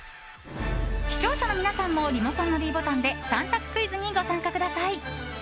視聴者の皆さんもリモコンのｄボタンで３択クイズにご参加ください。